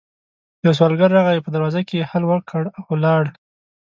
يو سوالګر راغی، په دروازه کې يې هل وکړ او ولاړ.